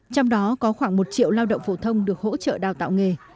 trong đó có khoảng một triệu lao động phổ thông được hỗ trợ đào tạo nghề